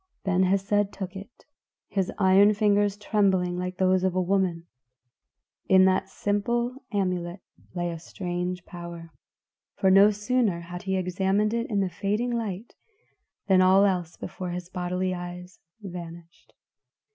Ben Hesed took it, his iron fingers trembling like those of a woman. In that simple amulet lay a strange power, for no sooner had he examined it in the fading light, than all else before his bodily eyes vanished.